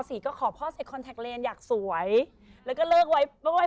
นี่คือเรื่องคือเปรี้ยวซ่ายที่สุดในชีวิตแล้วนะ